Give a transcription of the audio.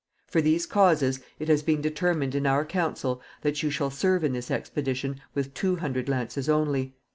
For these causes, it has been determined in our council that you shall serve in this expedition with two hundred lances only.